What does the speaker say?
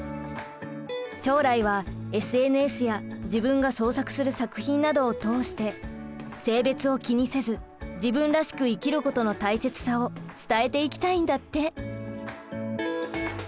将来はＳＮＳや自分が創作する作品などを通して性別を気にせず自分らしく生きることの大切さを伝えていきたいんだって！